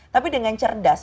tapi dengan cerdas